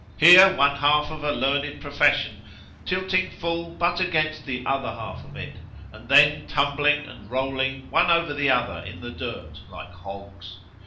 Here one half of a learned profession tilting full but against the other half of it, and then tumbling and rolling one over the other in the dirt like hogs.